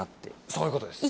そういうことです